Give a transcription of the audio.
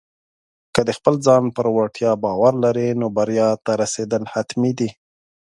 که د خپل ځان پر وړتیا باور لرې، نو بریا ته رسېدل حتمي دي.